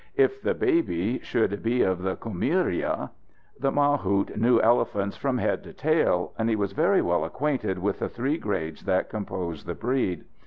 If the baby should be of the Kumiria The mahout knew elephants from head to tail, and he was very well acquainted with the three grades that compose the breed.